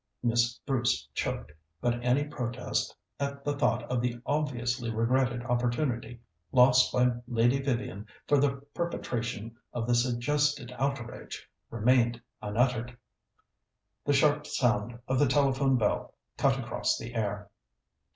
Miss Bruce choked, but any protest at the thought of the obviously regretted opportunity lost by Lady Vivian for the perpetration of the suggested outrage remained unuttered. The sharp sound of the telephone bell cut across the air.